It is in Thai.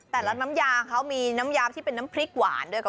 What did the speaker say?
น้ำยาเขามีน้ำยาที่เป็นน้ำพริกหวานด้วย